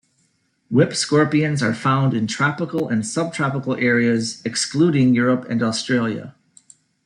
Whip scorpions are found in tropical and subtropical areas excluding Europe and Australia.